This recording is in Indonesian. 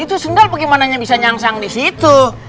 itu sendal bagaimana bisa nyangsang disitu